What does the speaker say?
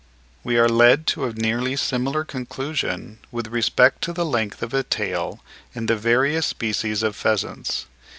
We are led to a nearly similar conclusion with respect to the length of the tail in the various species of pheasants.